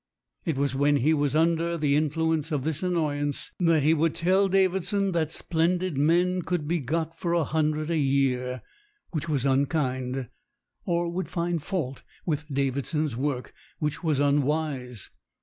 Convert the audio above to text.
It was when he was under the influence of this annoyance that he would tell Davidson that splendid men could be got for a hundred a year, which was un kind, or would find fault with Davidson's work, which was unwise.